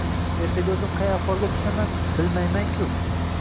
Ertaga oʻzim qay ahvolga tushaman, bilmayman-ku...